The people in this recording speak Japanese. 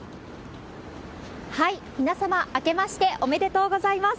皆様、明けましておめでとうございます。